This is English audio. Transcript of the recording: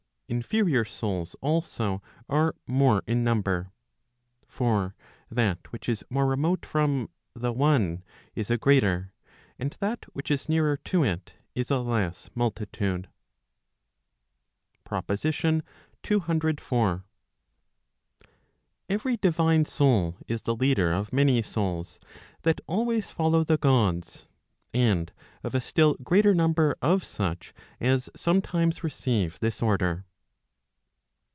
Inferior souls also are more in number. For that which is more remote from the one , is a greater, and that which is nearer to it, is a less multitude. \ PROPOSITION CCIV. Every divine soul is the leader of many souls that always follow the Gods; and of a still greater number of such as sometimes receive this order.